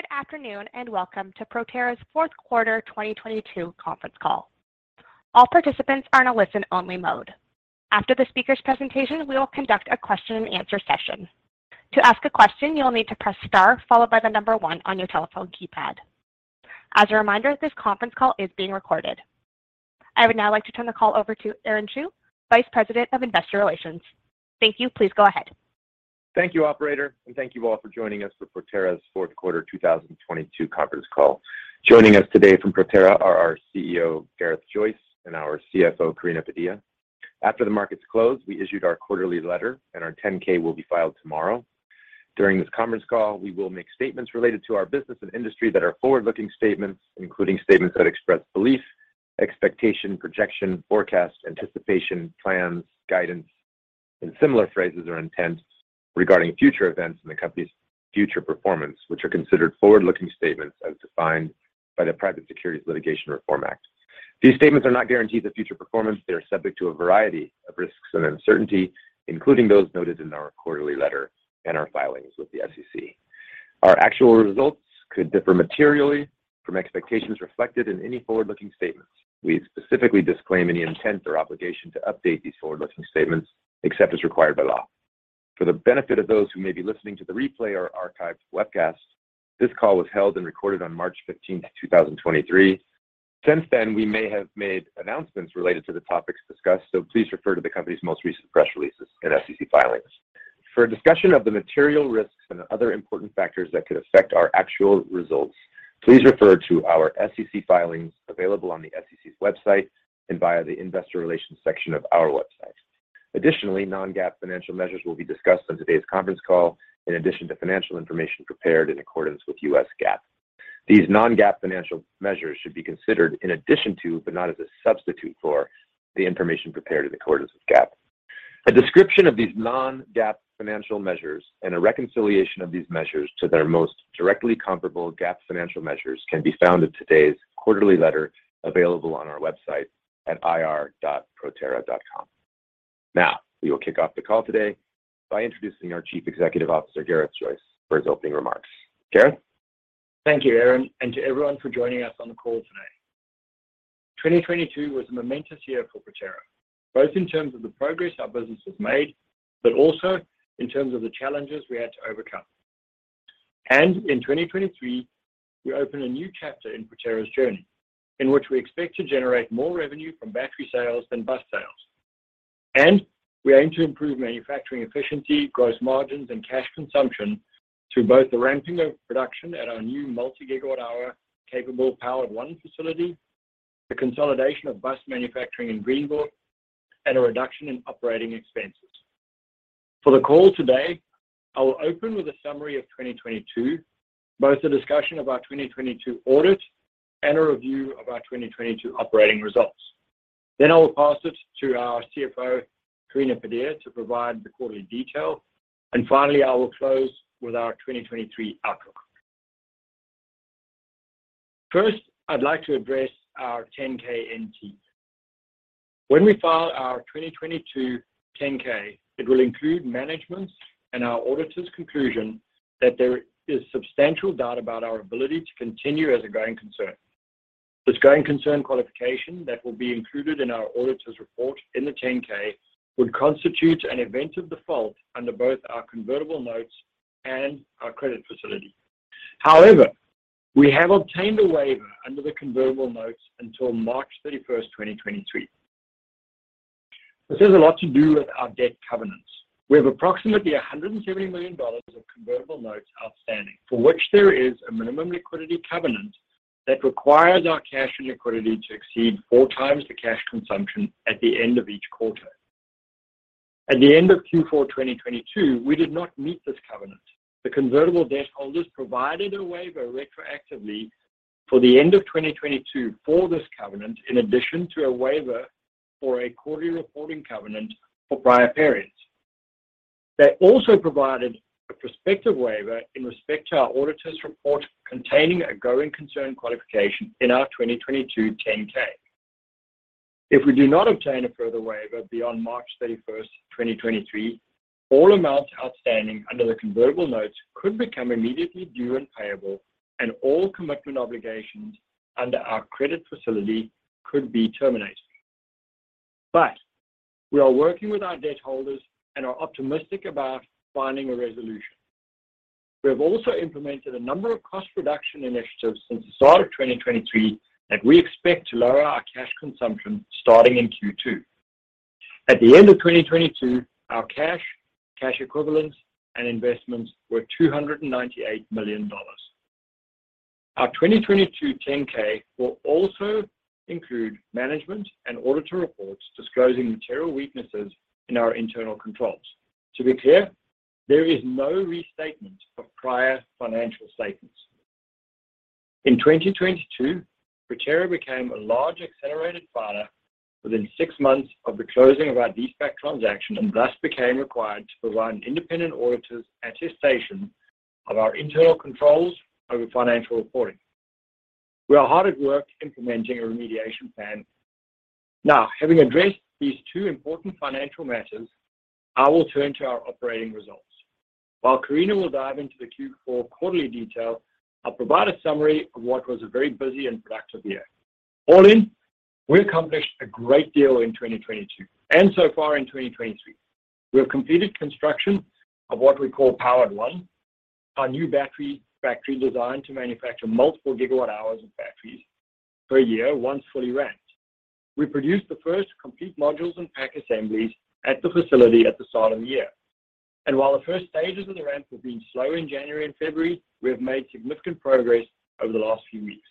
Good afternoon, welcome to Proterra's Fourth Quarter 2022 Conference Call. All participants are in a listen-only mode. After the speaker's presentation, we will conduct a question-and-answer session. To ask a question, you'll need to press star followed by the number one on your telephone keypad. As a reminder, this conference call is being recorded. I would now like to turn the call over to Aaron Chew, Vice President of Investor Relations. Thank you. Please go ahead. Thank you, operator. Thank you all for joining us for Proterra's Fourth Quarter 2022 Conference Call. Joining us today from Proterra are our CEO Gareth Joyce and our CFO Karina Padilla. After the markets closed, we issued our quarterly letter and our 10-K will be filed tomorrow. During this conference call, we will make statements related to our business and industry that are forward-looking statements, including statements that express belief, expectation, projection, forecast, anticipation, plans, guidance, and similar phrases or intents regarding future events and the company's future performance, which are considered forward-looking statements as defined by the Private Securities Litigation Reform Act. These statements are not guarantees of future performance. They are subject to a variety of risks and uncertainty, including those noted in our quarterly letter and our filings with the SEC. Our actual results could differ materially from expectations reflected in any forward-looking statements. We specifically disclaim any intent or obligation to update these forward-looking statements except as required by law. For the benefit of those who may be listening to the replay or archived webcast, this call was held and recorded on March 15th, 2023. Since then, we may have made announcements related to the topics discussed, please refer to the company's most recent press releases and SEC filings. For a discussion of the material risks and other important factors that could affect our actual results, please refer to our SEC filings available on the SEC's website and via the investor relations section of our website. Additionally, non-GAAP financial measures will be discussed on today's conference call in addition to financial information prepared in accordance with U.S. GAAP. These non-GAAP financial measures should be considered in addition to, but not as a substitute for, the information prepared in accordance with GAAP. A description of these non-GAAP financial measures and a reconciliation of these measures to their most directly comparable GAAP financial measures can be found in today's quarterly letter available on our website at ir.proterra.com. We will kick off the call today by introducing our Chief Executive Officer, Gareth Joyce, for his opening remarks. Gareth? Thank you, Aaron, to everyone for joining us on the call today. 2022 was a momentous year for Proterra, both in terms of the progress our business has made, also in terms of the challenges we had to overcome. In 2023, we open a new chapter in Proterra's journey in which we expect to generate more revenue from battery sales than bus sales. We aim to improve manufacturing efficiency, gross margins, and cash consumption through both the ramping of production at our new multi-gigawatt hour capable Powered 1 facility, the consolidation of bus manufacturing in Greenville, and a reduction in operating expenses. For the call today, I will open with a summary of 2022, both a discussion of our 2022 audit and a review of our 2022 operating results. I will pass it to our CFO, Karina Padilla, to provide the quarterly detail. Finally, I will close with our 2023 outlook. First, I'd like to address our 10-K NT. When we file our 2022 10-K, it will include management's and our auditor's conclusion that there is substantial doubt about our ability to continue as a going concern. This going concern qualification that will be included in our auditor's report in the 10-K would constitute an event of default under both our convertible notes and our credit facility. We have obtained a waiver under the convertible notes until March 31st, 2023. This has a lot to do with our debt covenants. We have approximately $170 million of convertible notes outstanding, for which there is a minimum liquidity covenant that requires our cash and liquidity to exceed 4 times the cash consumption at the end of each quarter. At the end of Q4 2022, we did not meet this covenant. The convertible debt holders provided a waiver retroactively for the end of 2022 for this covenant in addition to a waiver for a quarterly reporting covenant for prior periods. They also provided a prospective waiver in respect to our auditor's report containing a going concern qualification in our 2022 10-K. If we do not obtain a further waiver beyond March 31, 2023, all amounts outstanding under the convertible notes could become immediately due and payable, and all commitment obligations under our credit facility could be terminated. We are working with our debt holders and are optimistic about finding a resolution. We have also implemented a number of cost reduction initiatives since the start of 2023 that we expect to lower our cash consumption starting in Q2. At the end of 2022, our cash equivalents, and investments were $298 million. Our 2022 10-K will also include management and auditor reports disclosing material weaknesses in our internal controls. To be clear, there is no restatement of prior financial statements. In 2022, Proterra became a large accelerated filer within six months of the closing of our de-SPAC transaction and thus became required to provide an independent auditor's attestation of our internal controls over financial reporting. We are hard at work implementing a remediation plan. Now, having addressed these two important financial matters, I will turn to our operating results. While Karina will dive into the Q4 quarterly detail, I'll provide a summary of what was a very busy and productive year. All in, we accomplished a great deal in 2022 and so far in 2023. We have completed construction of what we call Powered 1, our new battery factory designed to manufacture multiple gigawatt hours of batteries per year once fully ramped. We produced the first complete modules and pack assemblies at the facility at the start of the year. While the first stages of the ramp have been slow in January and February, we have made significant progress over the last few weeks.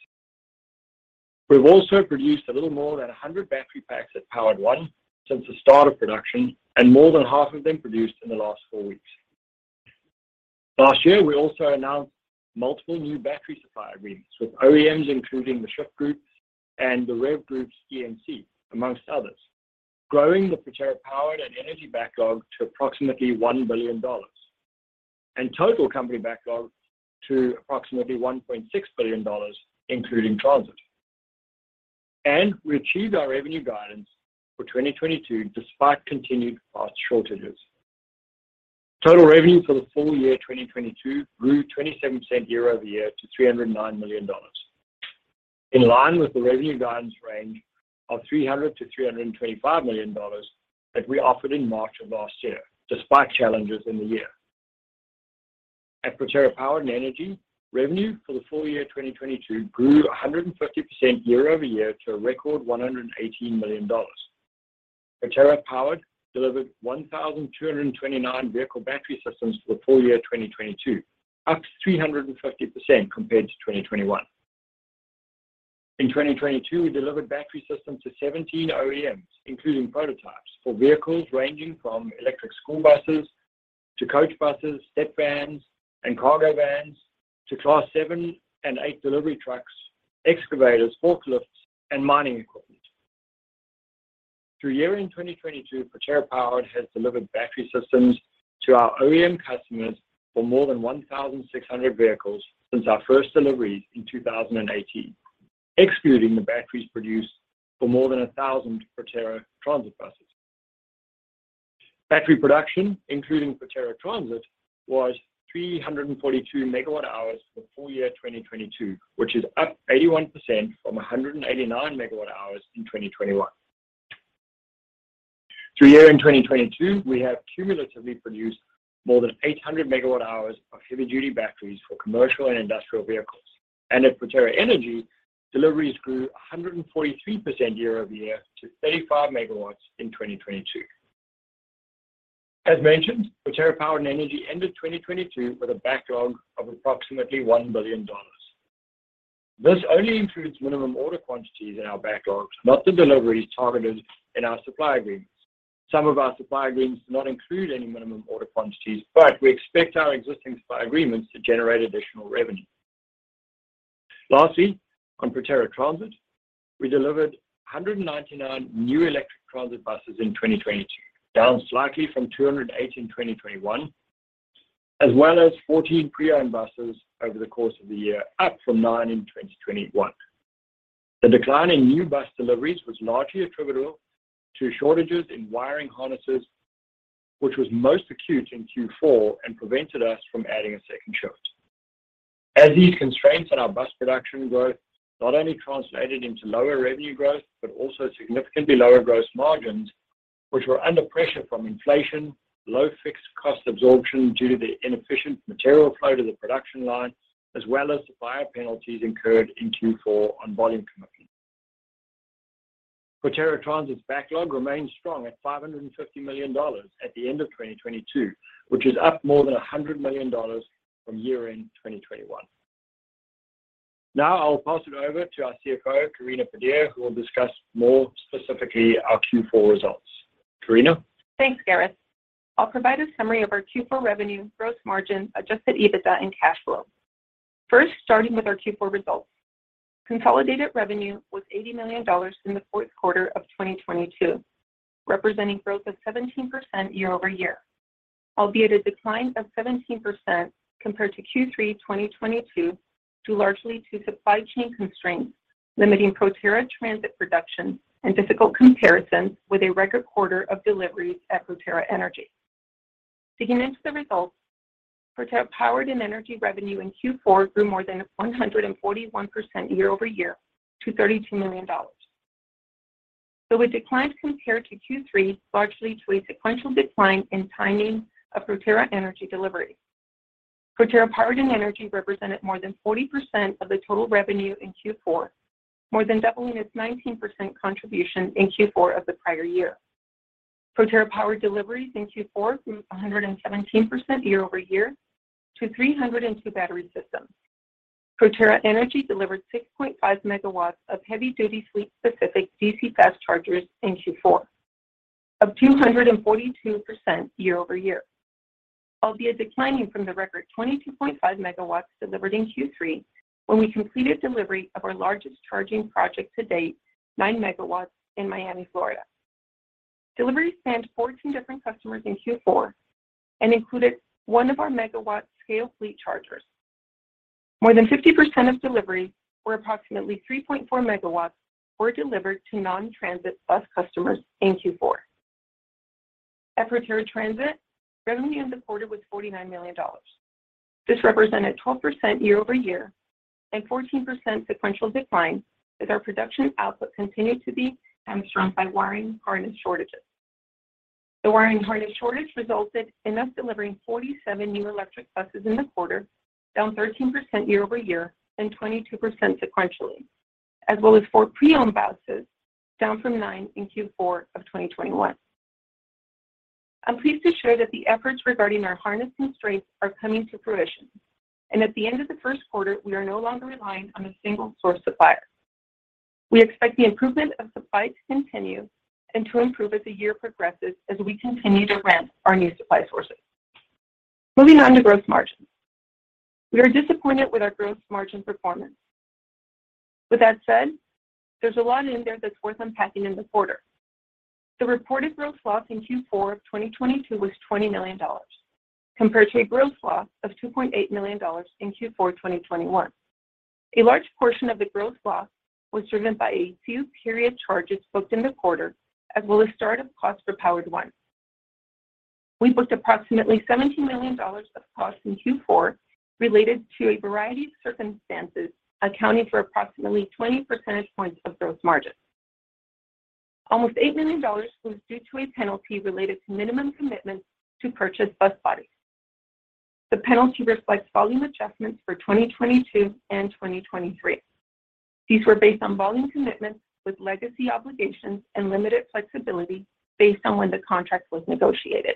We've also produced a little more than 100 battery packs at Powered 1 since the start of production, and more than half of them produced in the last four weeks. Last year, we also announced multiple new battery supply agreements with OEMs, including The Shyft Group and the REV Group's ENC, amongst others, growing the Proterra Powered & Energy backlog to approximately $1 billion, and total company backlog to approximately $1.6 billion, including transit. We achieved our revenue guidance for 2022 despite continued parts shortages. Total revenue for the full year 2022 grew 27% year-over-year to $309 million, in line with the revenue guidance range of $300 million-$325 million that we offered in March of last year, despite challenges in the year. At Proterra Powered & Energy, revenue for the full year 2022 grew 150% year-over-year to a record $118 million. Proterra Powered delivered 1,229 vehicle battery systems for the full year 2022, up 350% compared to 2021. In 2022, we delivered battery systems to 17 OEMs, including prototypes for vehicles ranging from electric school buses to coach buses, step vans and cargo vans to Class 7 and 8 delivery trucks, excavators, forklifts, and mining equipment. Through year-end 2022, Proterra Powered has delivered battery systems to our OEM customers for more than 1,600 vehicles since our first deliveries in 2018, excluding the batteries produced for more than 1,000 Proterra Transit buses. Battery production, including Proterra Transit, was 342MWh for full year 2022, which is up 81% from 189MWh in 2021. Through year-end 2022, we have cumulatively produced more than 800 MWh of heavy-duty batteries for commercial and industrial vehicles. At Proterra Energy, deliveries grew 143% year-over-year to 35MW in 2022. As mentioned, Proterra Powered & Energy ended 2022 with a backlog of approximately $1 billion. This only includes minimum order quantities in our backlogs, not the deliveries targeted in our supply agreements. Some of our supply agreements do not include any minimum order quantities, we expect our existing supply agreements to generate additional revenue. Lastly, on Proterra Transit, we delivered 199 new electric transit buses in 2022, down slightly from 208 in 2021, as well as 14 pre-owned buses over the course of the year, up from nine in 2021. The decline in new bus deliveries was largely attributable to shortages in wiring harnesses, which was most acute in Q4 and prevented us from adding a second shift. These constraints on our bus production growth not only translated into lower revenue growth, but also significantly lower gross margins, which were under pressure from inflation, low fixed cost absorption due to the inefficient material flow to the production line, as well as supplier penalties incurred in Q4 on volume commitments. Proterra Transit's backlog remains strong at $550 million at the end of 2022, which is up more than $100 million from year-end 2021. I'll pass it over to our CFO, Karina Padilla, who will discuss more specifically our Q4 results. Karina? Thanks, Gareth. I'll provide a summary of our Q4 revenue, gross margin, adjusted EBITDA, and cash flow. Starting with our Q4 results. Consolidated revenue was $80 million in the fourth quarter of 2022, representing growth of 17% year-over-year, albeit a decline of 17% compared to Q3 2022, due largely to supply chain constraints limiting Proterra Transit production and difficult comparisons with a record quarter of deliveries at Proterra Energy. Digging into the results, Proterra Powered and Energy revenue in Q4 grew more than 141% year-over-year to $32 million. It declined compared to Q3, largely to a sequential decline in timing of Proterra Energy delivery. Proterra Powered and Energy represented more than 40% of the total revenue in Q4, more than doubling its 19% contribution in Q4 of the prior year. Proterra Powered deliveries in Q4 grew 117% year-over-year to 302 battery systems. Proterra Energy delivered 6.5 megawatts of heavy-duty fleet specific DC fast chargers in Q4, up 242% year-over-year, albeit declining from the record 22.5MW delivered in Q3 when we completed delivery of our largest charging project to date, 9MW in Miami, Florida. Deliveries spanned 14 different customers in Q4 and included one of our megawatt-scale fleet chargers. More than 50% of deliveries were approximately 3.4 megawatts were delivered to non-transit bus customers in Q4. Proterra Transit revenue in the quarter was $49 million. This represented 12% year-over-year and 14% sequential decline as our production output continued to be hamstrung by wiring harness shortages. The wiring harness shortage resulted in us delivering 47 new electric buses in the quarter, down 13% year-over-year and 22% sequentially, as well as four pre-owned buses, down from nine in Q4 of 2021. I'm pleased to share that the efforts regarding our harness constraints are coming to fruition, and at the end of the first quarter, we are no longer relying on a single source supplier. We expect the improvement of supply to continue and to improve as the year progresses as we continue to ramp our new supply sources. Moving on to gross margins. We are disappointed with our gross margin performance. With that said, there's a lot in there that's worth unpacking in the quarter. The reported gross loss in Q4 of 2022 was $20 million compared to a gross loss of $2.8 million in Q4 2021. A large portion of the gross loss was driven by a few period charges booked in the quarter, as well as start of cost for Powered 1. We booked approximately $17 million of costs in Q4 related to a variety of circumstances, accounting for approximately 20 percentage points of gross margins. Almost $8 million was due to a penalty related to minimum commitments to purchase bus bodies. The penalty reflects volume adjustments for 2022 and 2023. These were based on volume commitments with legacy obligations and limited flexibility based on when the contract was negotiated.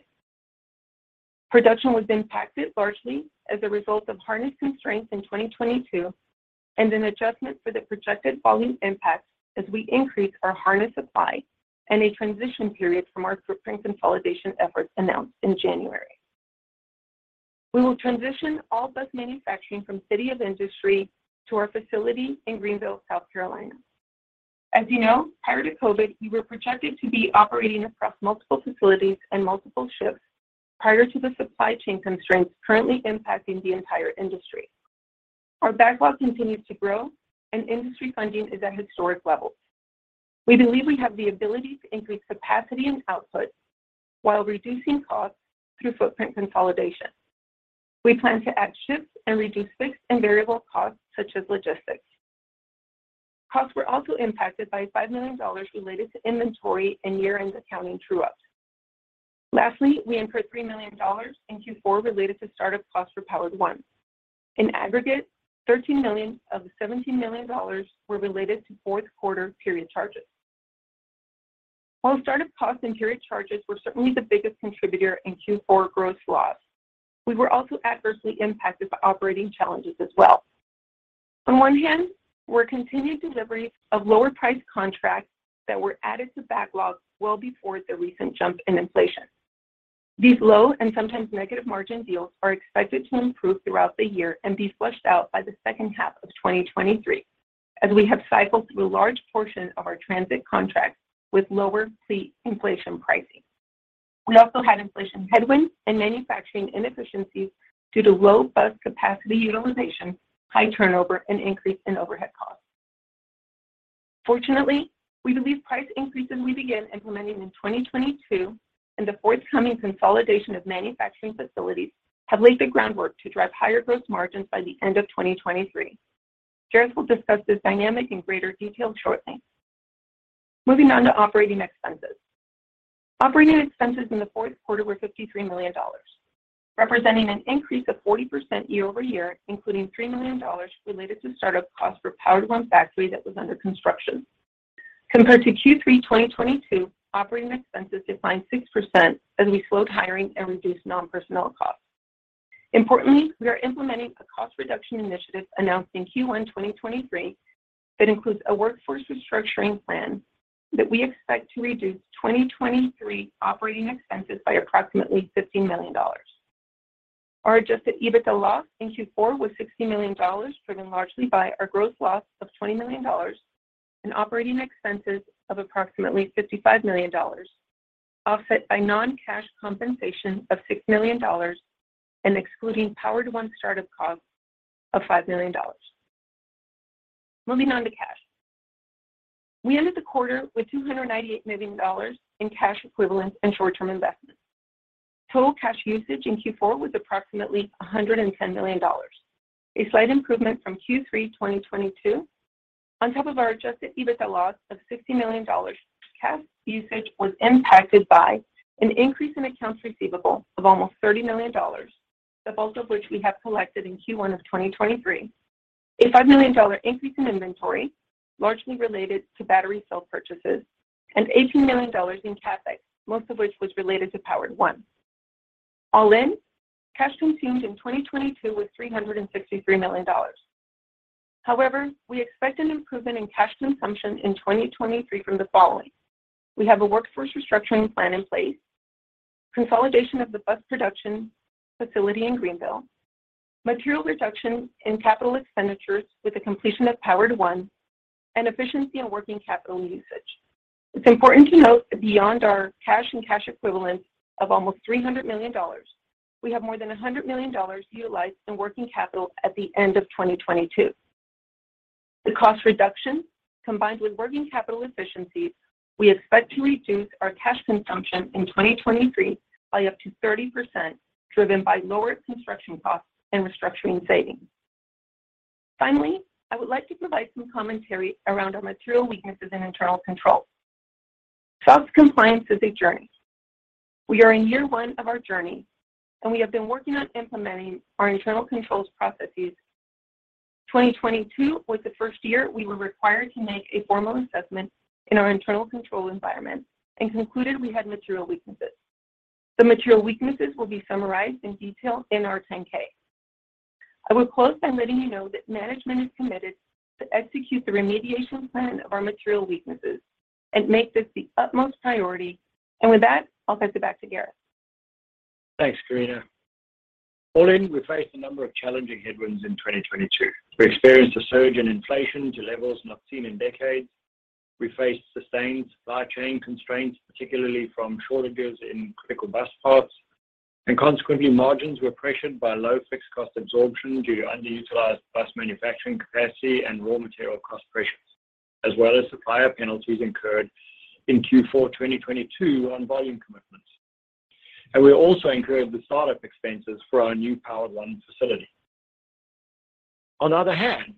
Production was impacted largely as a result of harness constraints in 2022 and an adjustment for the projected volume impact as we increase our harness supply and a transition period from our footprint consolidation efforts announced in January. We will transition all bus manufacturing from City of Industry to our facility in Greenville, South Carolina. As you know, prior to COVID, we were projected to be operating across multiple facilities and multiple shifts prior to the supply chain constraints currently impacting the entire industry. Our backlog continues to grow and industry funding is at historic levels. We believe we have the ability to increase capacity and output while reducing costs through footprint consolidation. We plan to add shifts and reduce fixed and variable costs such as logistics. Costs were also impacted by $5 million related to inventory and year-end accounting true-ups. Lastly, we incurred $3 million in Q4 related to start of cost for Powered 1. In aggregate, $13 million of the $17 million were related to fourth quarter period charges. Start of cost and period charges were certainly the biggest contributor in Q4 gross loss, we were also adversely impacted by operating challenges as well. On one hand, we're continued delivery of lower priced contracts that were added to backlogs well before the recent jump in inflation. These low and sometimes negative margin deals are expected to improve throughout the year and be flushed out by the second half of 2023 as we have cycled through a large portion of our transit contracts with lower fleet inflation pricing. We also had inflation headwinds and manufacturing inefficiencies due to low bus capacity utilization, high turnover and increase in overhead costs. Fortunately, we believe price increases we begin implementing in 2022 and the forthcoming consolidation of manufacturing facilities have laid the groundwork to drive higher gross margins by the end of 2023. Gareth Joyce will discuss this dynamic in greater detail shortly. Moving on to operating expenses. Operating expenses in the fourth quarter were $53 million, representing an increase of 40% year-over-year, including $3 million related to start of costs for Powered 1 factory that was under construction. Compared to Q3 2022, operating expenses declined 6% as we slowed hiring and reduced non-personnel costs. Importantly, we are implementing a cost reduction initiative announced in Q1 2023 that includes a workforce restructuring plan that we expect to reduce 2023 operating expenses by approximately $15 million. Our adjusted EBITDA loss in Q4 was $60 million, driven largely by our gross loss of $20 million and operating expenses of approximately $55 million, offset by non-cash compensation of $6 million and excluding Powered 1 start of cost of $5 million. Moving on to cash. We ended the quarter with $288 million in cash equivalents and short-term investments. Total cash usage in Q4 was approximately $110 million, a slight improvement from Q3 2022. On top of our adjusted EBITDA loss of $60 million, cash usage was impacted by an increase in accounts receivable of almost $30 million, the bulk of which we have collected in Q1 2023, a $5 million increase in inventory largely related to battery cell purchases, and $18 million in CapEx, most of which was related to Powered 1. All in, cash consumed in 2022 was $363 million. We expect an improvement in cash consumption in 2023 from the following. We have a workforce restructuring plan in place. Consolidation of the bus production facility in Greenville, material reduction in capital expenditures with the completion of Powered 1, and efficiency in working capital usage. It's important to note that beyond our cash and cash equivalents of almost $300 million, we have more than $100 million utilized in working capital at the end of 2022. The cost reduction, combined with working capital efficiencies, we expect to reduce our cash consumption in 2023 by up to 30%, driven by lower construction costs and restructuring savings. Finally, I would like to provide some commentary around our material weaknesses in internal controls. SOX compliance is a journey. We are in year 1 of our journey, and we have been working on implementing our internal controls processes. 2022 was the first year we were required to make a formal assessment in our internal control environment and concluded we had material weaknesses. The material weaknesses will be summarized in detail in our 10-K. I will close by letting you know that management is committed to execute the remediation plan of our material weaknesses and make this the utmost priority. With that, I'll pass it back to Gareth. Thanks, Karina. All in, we faced a number of challenging headwinds in 2022. We experienced a surge in inflation to levels not seen in decades. We faced sustained supply chain constraints, particularly from shortages in critical bus parts. Consequently, margins were pressured by low fixed cost absorption due to underutilized bus manufacturing capacity and raw material cost pressures, as well as supplier penalties incurred in Q4 2022 on volume commitments. We also incurred the start-up expenses for our new Powered 1 facility. On the other hand,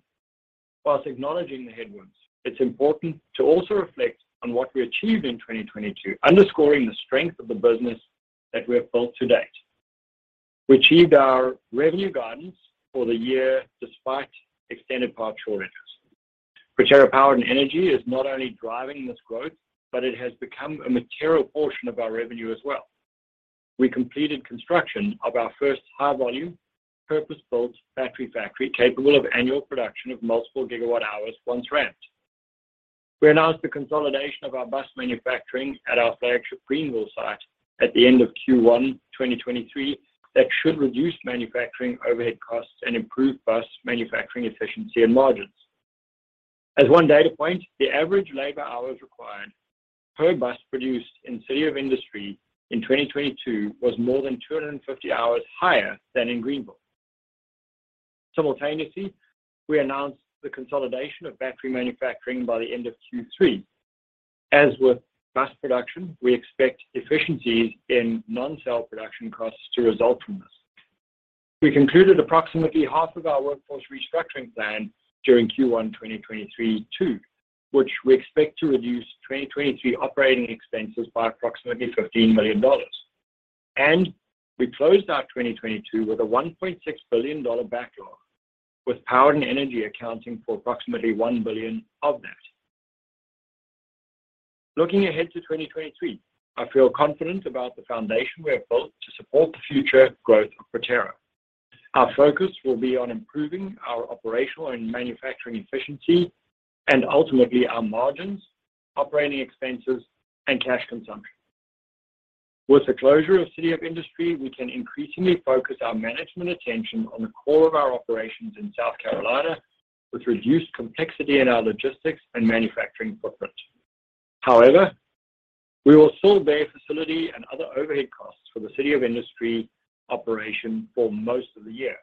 whilst acknowledging the headwinds, it's important to also reflect on what we achieved in 2022, underscoring the strength of the business that we have built to date. We achieved our revenue guidance for the year despite extended part shortages. Proterra Powered & Energy is not only driving this growth, but it has become a material portion of our revenue as well. We completed construction of our first high-volume, purpose-built battery factory capable of annual production of multiple gigawatt hours once ramped. We announced the consolidation of our bus manufacturing at our flagship Greenville site at the end of Q1 2023 that should reduce manufacturing overhead costs and improve bus manufacturing efficiency and margins. As one data point, the average labor hours required per bus produced in City of Industry in 2022 was more than 250 hours higher than in Greenville. Simultaneously, we announced the consolidation of battery manufacturing by the end of Q3. As with bus production, we expect efficiencies in non-cell production costs to result from this. We concluded approximately half of our workforce restructuring plan during Q1 2023 too, which we expect to reduce 2023 operating expenses by approximately $15 million. We closed out 2022 with a $1.6 billion backlog, with Proterra Powered & Energy accounting for approximately $1 billion of that. Looking ahead to 2023, I feel confident about the foundation we have built to support the future growth of Proterra. Our focus will be on improving our operational and manufacturing efficiency and ultimately our margins, operating expenses, and cash consumption. With the closure of City of Industry, we can increasingly focus our management attention on the core of our operations in South Carolina with reduced complexity in our logistics and manufacturing footprint. We will still bear facility and other overhead costs for the City of Industry operation for most of the year,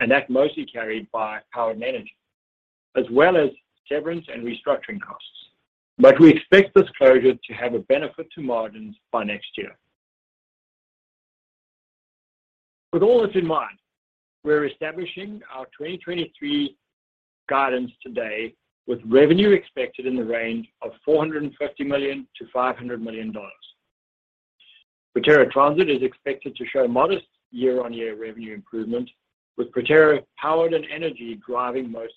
and that mostly carried by Power and Energy, as well as severance and restructuring costs. We expect this closure to have a benefit to margins by next year. With all this in mind, we're establishing our 2023 guidance today with revenue expected in the range of $450 million-$500 million. Proterra Transit is expected to show modest year-on-year revenue improvement, with Proterra Powered & Energy driving most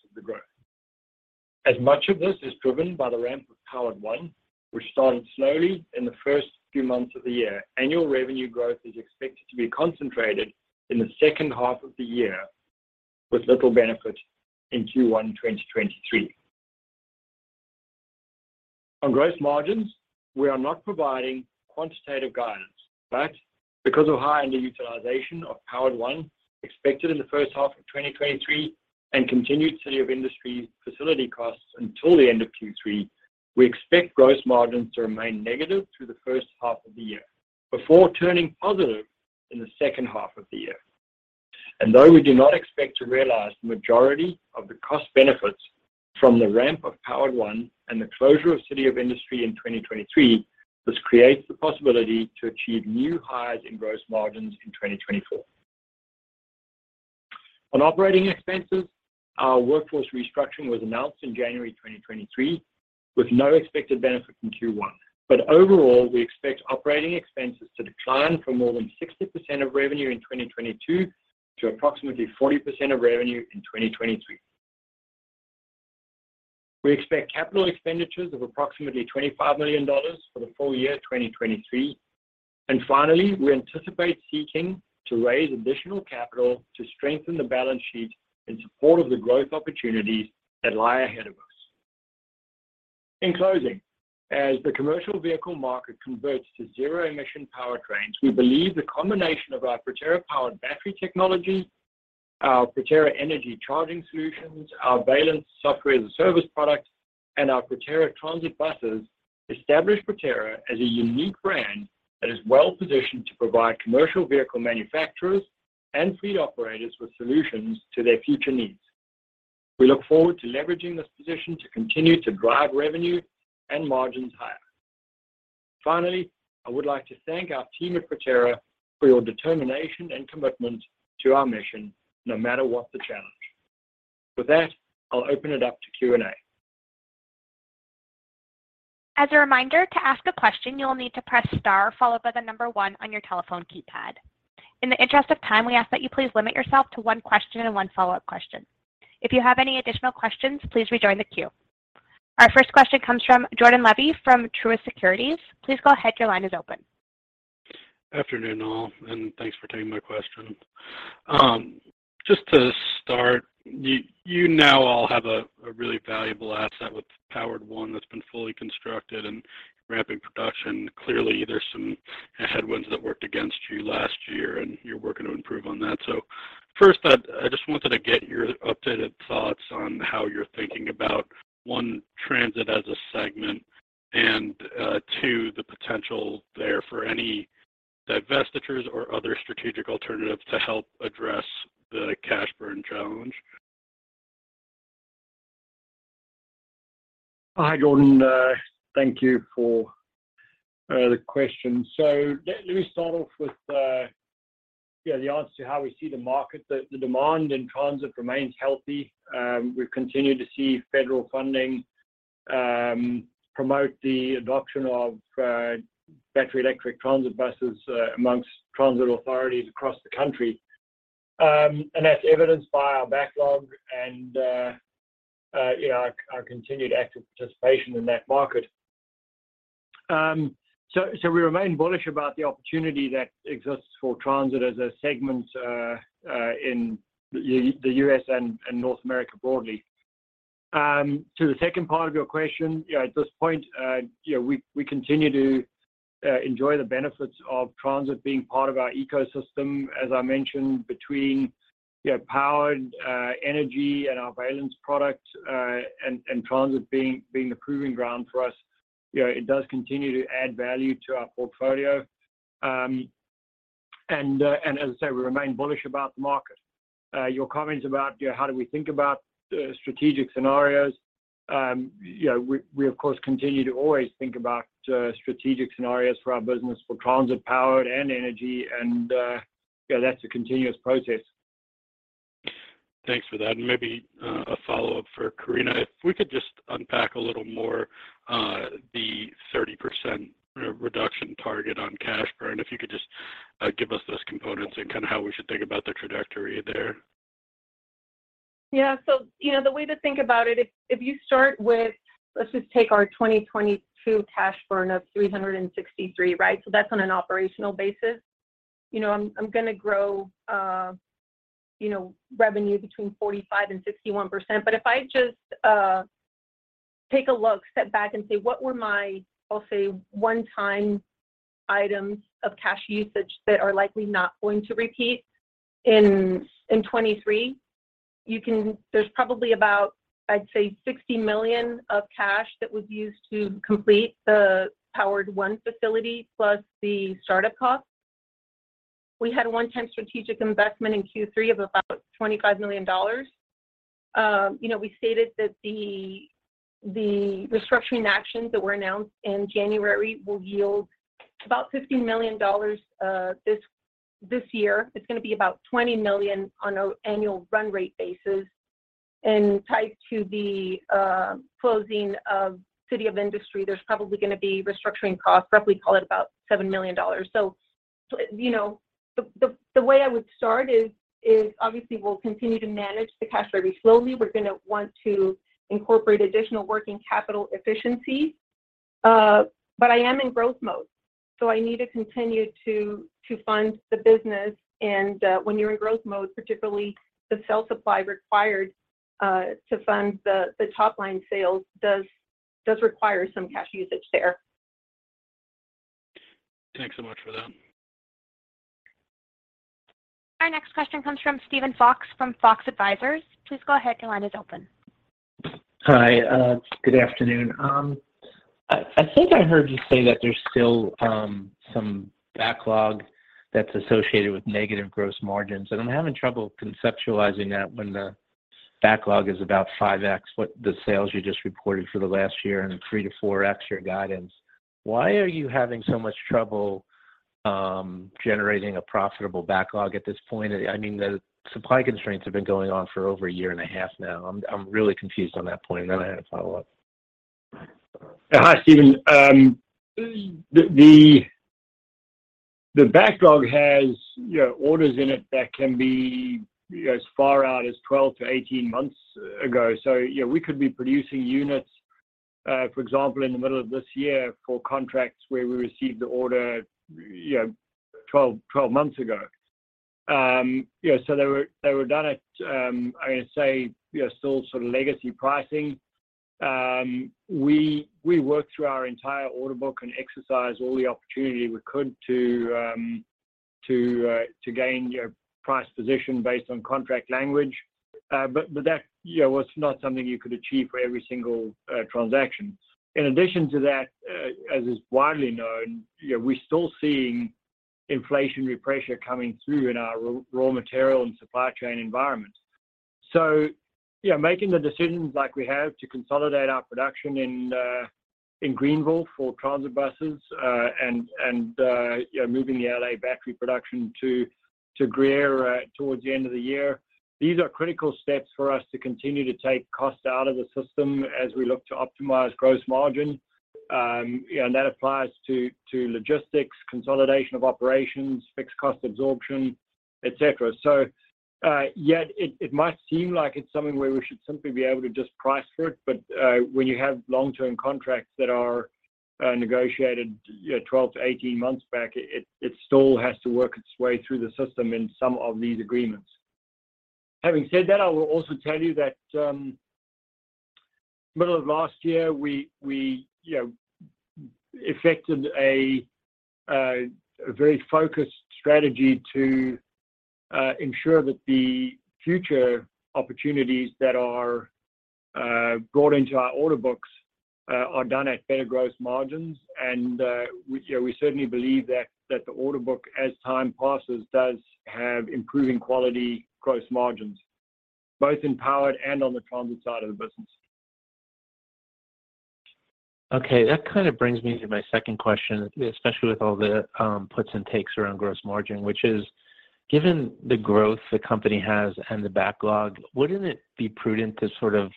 of the growth. As much of this is driven by the ramp of Powered 1, which started slowly in the first few months of the year, annual revenue growth is expected to be concentrated in the second half of the year, with little benefit in Q1 2023. On gross margins, we are not providing quantitative guidance, but because of high underutilization of Powered 1 expected in the first half of 2023 and continued City of Industry facility costs until the end of Q3, we expect gross margins to remain negative through the first half of the year before turning positive in the second half of the year. Though we do not expect to realize the majority of the cost benefits from the ramp of Powered 1 and the closure of City of Industry in 2023, this creates the possibility to achieve new highs in gross margins in 2024. On operating expenses, our workforce restructuring was announced in January 2023, with no expected benefit in Q1. Overall, we expect operating expenses to decline from more than 60% of revenue in 2022 to approximately 40% of revenue in 2023. We expect capital expenditures of approximately $25 million for the full year 2023. Finally, we anticipate seeking to raise additional capital to strengthen the balance sheet in support of the growth opportunities that lie ahead of us. In closing, as the commercial vehicle market converts to zero-emission powertrains, we believe the combination of our Proterra Powered battery technology, our Proterra Energy charging solutions, our Valence software as a service product, and our Proterra Transit buses establish Proterra as a unique brand that is well-positioned to provide commercial vehicle manufacturers and fleet operators with solutions to their future needs. We look forward to leveraging this position to continue to drive revenue and margins higher. Finally, I would like to thank our team at Proterra for your determination and commitment to our mission, no matter what the challenge. With that, I'll open it up to Q&A. As a reminder, to ask a question, you will need to press star followed by the number one on your telephone keypad. In the interest of time, we ask that you please limit yourself to one question and one follow-up question. If you have any additional questions, please rejoin the queue. Our first question comes from Jordan Levy from Truist Securities. Please go ahead. Your line is open. Afternoon, all. Thanks for taking my question. Just to start, you now all have a really valuable asset with Powered 1 that's been fully constructed and ramping production. Clearly, there's some headwinds that worked against you last year, and you're working to improve on that. First, I just wanted to get your updated thoughts on how you're thinking about, one, transit as a segment and, two, the potential there for any divestitures or other strategic alternatives to help address the cash burn challenge? Hi, Jordan. Thank you for the question. Let me start off with, yeah, the answer to how we see the market. The demand in transit remains healthy. We've continued to see federal funding promote the adoption of battery electric transit buses amongst transit authorities across the country. And that's evidenced by our backlog and, you know, our continued active participation in that market. So we remain bullish about the opportunity that exists for transit as a segment in the U.S. and North America broadly. To the second part of your question, you know, at this point, you know, we continue to enjoy the benefits of transit being part of our ecosystem. As I mentioned, between, you know, Powered, Energy and our Valence product, and Transit being a proving ground for us, you know, it does continue to add value to our portfolio. As I say, we remain bullish about the market. Your comments about, you know, how do we think about strategic scenarios, you know, we of course continue to always think about strategic scenarios for our business for Transit, Powered and Energy and, you know, that's a continuous process. Thanks for that. Maybe, a follow-up for Karina. If we could just unpack a little more, the 30% reduction target on cash burn. If you could just, give us those components and kind of how we should think about the trajectory there. Yeah. You know, the way to think about it, if you start with, let's just take our 2022 cash burn of $363 million, right? That's on an operational basis. You know, I'm gonna grow, you know, revenue between 45% and 61%. If I just take a look, step back and say, what were my, I'll say one-time items of cash usage that are likely not going to repeat in 2023, there's probably about, I'd say $60 million of cash that was used to complete the Powered 1 facility plus the startup costs. We had a one-time strategic investment in Q3 of about $25 million. You know, we stated that the restructuring actions that were announced in January will yield about $50 million this year. It's gonna be about $20 million on an annual run rate basis. Tied to the closing of City of Industry, there's probably gonna be restructuring costs, roughly call it about $7 million. You know, the way I would start is obviously we'll continue to manage the cash very slowly. We're gonna want to incorporate additional working capital efficiency. I am in growth mode, so I need to continue to fund the business. When you're in growth mode, particularly the cell supply required to fund the top-line sales does require some cash usage there. Thanks so much for that. Our next question comes from Steven Fox from Fox Advisors. Please go ahead. Your line is open. Hi. Good afternoon. I think I heard you say that there's still some backlog that's associated with negative gross margins, and I'm having trouble conceptualizing that when the backlog is about 5x what the sales you just reported for the last year and 3x-4x your guidance. Why are you having so much trouble generating a profitable backlog at this point? I mean, the supply constraints have been going on for over a year and a half now. I'm really confused on that point. I had a follow-up. Hi, Steven. The backlog has, you know, orders in it that can be, you know, as far out as 12-18 months ago. You know, we could be producing units, for example, in the middle of this year for contracts where we received the order, you know, 12 months ago. Yeah, they were done at, I'm gonna say, you know, still sort of legacy pricing. We worked through our entire order book and exercised all the opportunity we could to gain your price position based on contract language. But that, you know, was not something you could achieve for every single transaction. In addition to that, as is widely known, you know, we're still seeing inflationary pressure coming through in our raw material and supply chain environment. Yeah, making the decisions like we have to consolidate our production in Greenville for transit buses, and, you know, moving the L.A. battery production to Greer towards the end of the year, these are critical steps for us to continue to take costs out of the system as we look to optimize gross margin. You know, and that applies to logistics, consolidation of operations, fixed cost absorption, et cetera. Yet it might seem like it's something where we should simply be able to just price for it, but when you have long-term contracts that are negotiated, you know, 12-18 months back, it, it still has to work its way through the system in some of these agreements. Having said that, I will also tell you that, middle of last year, we, you know, effected a very focused strategy to ensure that the future opportunities that are brought into our order books are done at better gross margins. We, you know, we certainly believe that the order book, as time passes, does have improving quality gross margins, both in powered and on the transit side of the business. Okay, that kind of brings me to my second question, especially with all the puts and takes around gross margin, which is: Given the growth the company has and the backlog, wouldn't it be prudent to sort of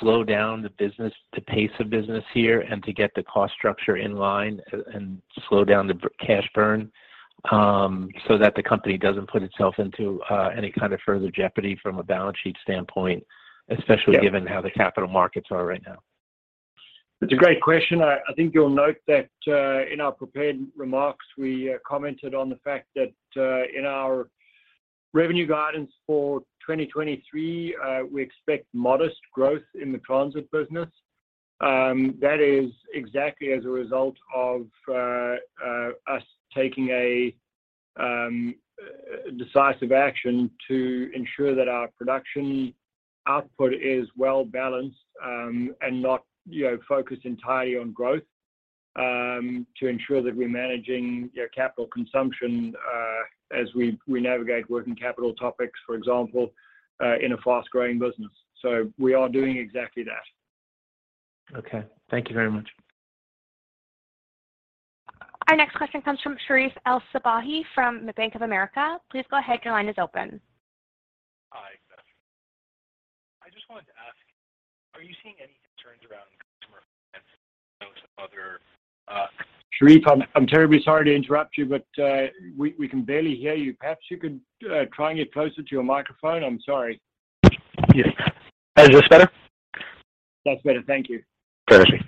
slow down the business, the pace of business here and to get the cost structure in line and slow down the cash burn, so that the company doesn't put itself into any kind of further jeopardy from a balance sheet standpoint? Yeah... especially given how the capital markets are right now? That's a great question. I think you'll note that in our prepared remarks, we commented on the fact that in our revenue guidance for 2023, we expect modest growth in the transit business. That is exactly as a result of us taking a decisive action to ensure that our production output is well-balanced, and not, you know, focused entirely on growth, to ensure that we're managing, you know, capital consumption, as we navigate working capital topics, for example, in a fast-growing business. We are doing exactly that. Okay. Thank you very much. Our next question comes from Sherif El-Sabbahy from the Bank of America. Please go ahead, your line is open. Hi, Beth. I just wanted to ask, are you seeing any concerns around customer finance, you know, some other? Sherif, I'm terribly sorry to interrupt you, but we can barely hear you. Perhaps you could try and get closer to your microphone? I'm sorry. Yes. Is this better? That's better. Thank you. Perfect.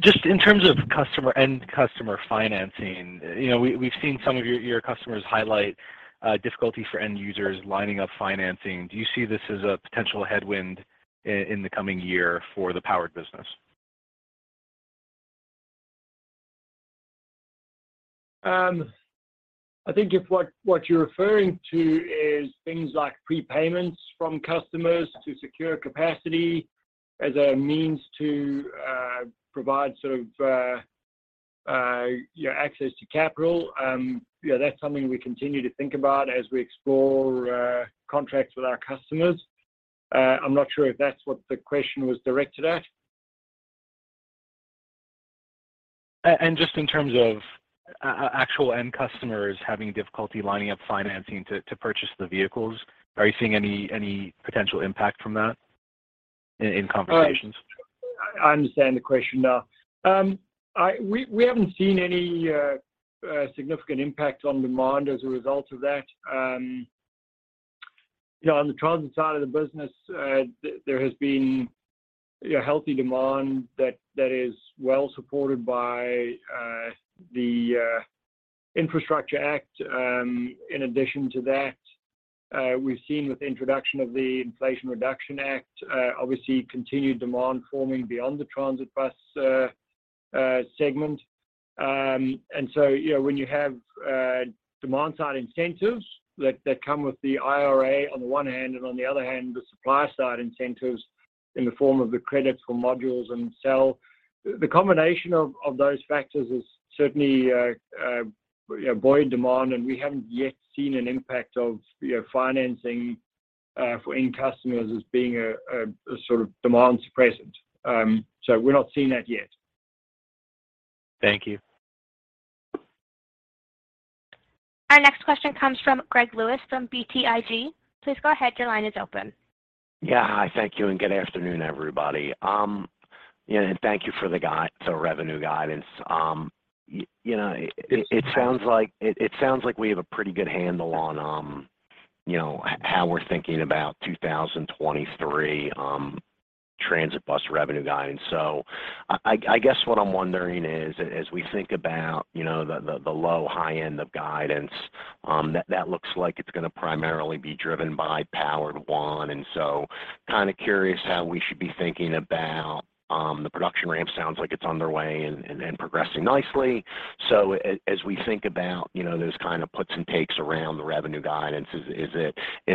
Just in terms of customer, end customer financing, you know, we've seen some of your customers highlight, difficulty for end users lining up financing. Do you see this as a potential headwind in the coming year for the powered business? I think if what you're referring to is things like prepayments from customers to secure capacity as a means to provide sort of, you know, access to capital, you know, that's something we continue to think about as we explore contracts with our customers. I'm not sure if that's what the question was directed at. Just in terms of actual end customers having difficulty lining up financing to purchase the vehicles, are you seeing any potential impact from that in conversations? I understand the question now. We haven't seen any significant impact on demand as a result of that. You know, on the transit side of the business, there has been, you know, healthy demand that is well supported by the Infrastructure Act. In addition to that, we've seen with the introduction of the Inflation Reduction Act, obviously continued demand forming beyond the transit bus segment. You know, when you have demand-side incentives that come with the IRA on the one hand and on the other hand, the supply side incentives in the form of the credits for modules and cell, the combination of those factors has certainly, you know, buoyed demand, and we haven't yet seen an impact of, you know, financing for end customers as being a sort of demand suppressant. We're not seeing that yet. Thank you. Our next question comes from Gregory Lewis from BTIG. Please go ahead, your line is open. Yeah. Hi. Thank you, good afternoon, everybody. You know, thank you for so revenue guidance. You know, it sounds like we have a pretty good handle on. You know, how we're thinking about 2023 transit bus revenue guidance. I guess what I'm wondering is as we think about, you know, the low high end of guidance, that looks like it's gonna primarily be driven by Powered 1. Kinda curious how we should be thinking about the production ramp. Sounds like it's underway and progressing nicely. As we think about, you know, those kind of puts and takes around the revenue guidance, is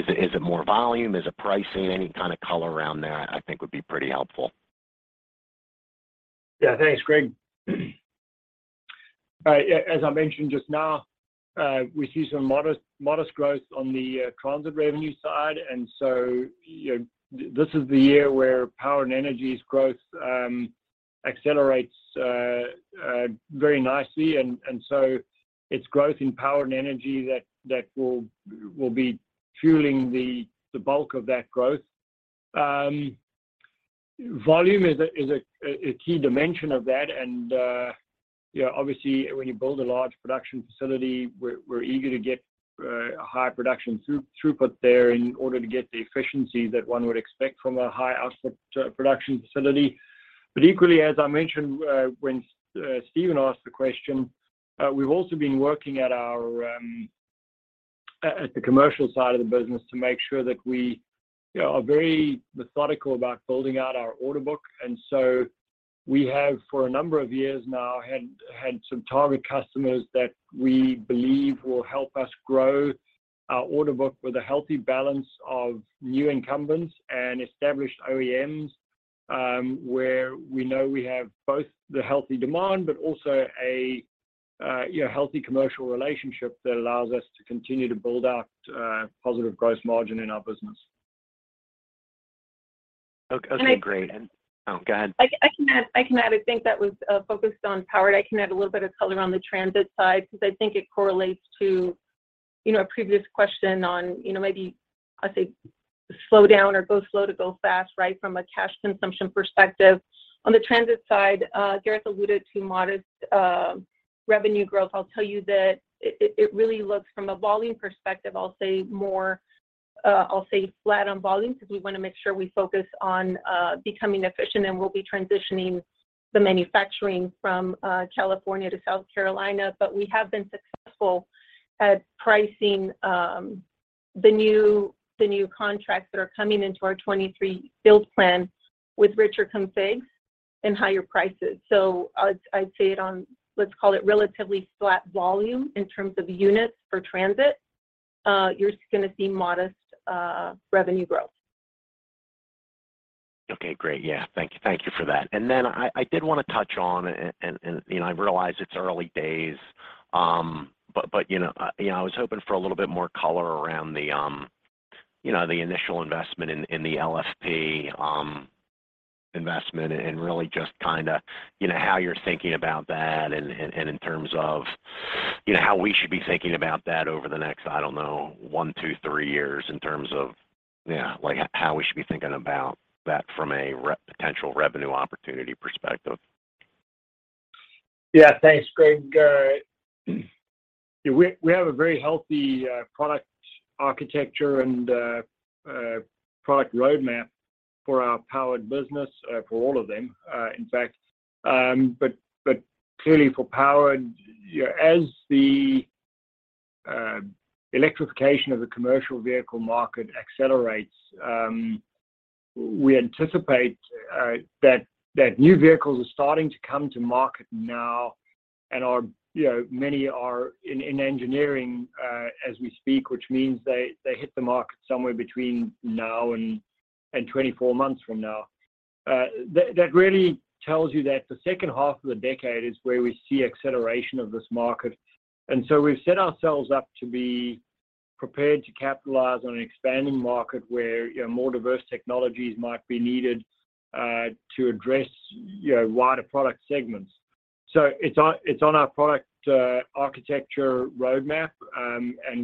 it more volume? Is it pricing? Any kind of color around there I think would be pretty helpful. Yeah. Thanks, Greg. As I mentioned just now, we see some modest growth on the transit revenue side. You know, this is the year where Power and Energy's growth accelerates very nicely. It's growth in Power and Energy that will be fueling the bulk of that growth. Volume is a key dimension of that. You know, obviously, when you build a large production facility, we're eager to get a high production throughput there in order to get the efficiency that one would expect from a high output production facility. Equally, as I mentioned, when Steven asked the question, we've also been working at our, at the commercial side of the business to make sure that we, you know, are very methodical about building out our order book. So we have, for a number of years now, had some target customers that we believe will help us grow our order book with a healthy balance of new incumbents and established OEMs, where we know we have both the healthy demand, but also a, you know, healthy commercial relationship that allows us to continue to build out positive growth margin in our business. Okay. Great. Can I- Oh, go ahead. I can add. I think that was focused on Powered. I can add a little bit of color on the Transit side because I think it correlates to, you know, a previous question on, you know, maybe, I'll say slow down or go slow to go fast, right? From a cash consumption perspective. On the Transit side, Gareth alluded to modest revenue growth. I'll tell you that it really looks from a volume perspective, I'll say more flat on volume because we want to make sure we focus on becoming efficient, and we'll be transitioning the manufacturing from California to South Carolina. But we have been successful at pricing the new, the new contracts that are coming into our 2023 build plan with richer configs and higher prices. I'd say it on, let's call it relatively flat volume in terms of units for Transit. You're gonna see modest revenue growth. Okay, great. Yeah. Thank you for that. I did wanna touch on and, you know, I realize it's early days, but, you know, I was hoping for a little bit more color around the, you know, the initial investment in the LFP investment and really just kinda, you know, how you're thinking about that and in terms of, you know, how we should be thinking about that over the next, I don't know, one, two, three years in terms of, yeah, like how we should be thinking about that from a re-potential revenue opportunity perspective. Thanks, Greg. We have a very healthy product architecture and product roadmap for our Proterra Powered business for all of them, in fact. Clearly for Proterra Powered, you know, as the electrification of the commercial vehicle market accelerates, we anticipate that new vehicles are starting to come to market now and are, you know, many are in engineering as we speak, which means they hit the market somewhere between now and 24 months from now. That really tells you that the second half of the decade is where we see acceleration of this market. We've set ourselves up to be prepared to capitalize on an expanding market where, you know, more diverse technologies might be needed to address, you know, wider product segments. It's on our product architecture roadmap.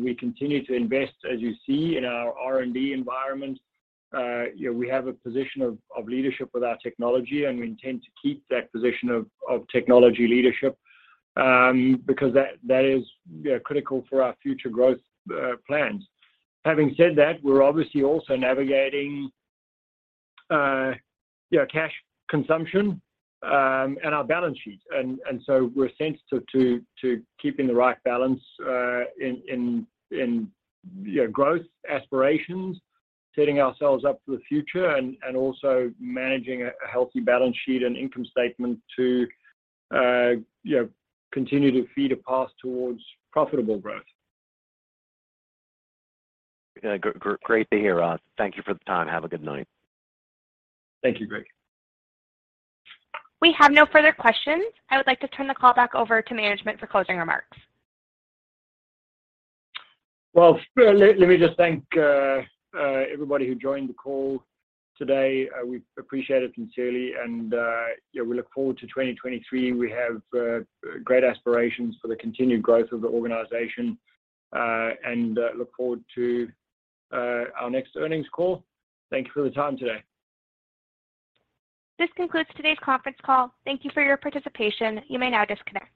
We continue to invest, as you see in our R&D environment. You know, we have a position of leadership with our technology, and we intend to keep that position of technology leadership, because that is, you know, critical for our future growth plans. Having said that, we're obviously also navigating cash consumption and our balance sheet. We're sensitive to keeping the right balance in, you know, growth aspirations, setting ourselves up for the future, and also managing a healthy balance sheet and income statement to, you know, continue to feed a path towards profitable growth. Yeah. Great to hear, Oz. Thank you for the time. Have a good night. Thank you, Greg. We have no further questions. I would like to turn the call back over to management for closing remarks. Well, let me just thank everybody who joined the call today. We appreciate it sincerely, and, you know, we look forward to 2023. We have great aspirations for the continued growth of the organization, and, look forward to our next earnings call. Thank you for your time today. This concludes today's conference call. Thank you for your participation. You may now disconnect.